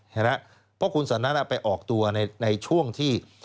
เพราะคุณสันนัทไปออกตัวในช่วงที่